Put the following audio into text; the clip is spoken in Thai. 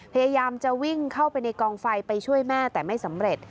พยายามจะวิ่งเข้าไปในกองไฟไปช่วยแม่แต่ไม่สำเร็จ